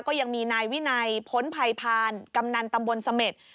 ก็ยังมีนายวินัยพ้นภัยพานกำนันตำบลเสม็ด